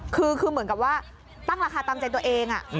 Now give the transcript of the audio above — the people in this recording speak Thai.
คือเหมือนกับว่าตั้งราคาตามใจตัวเอง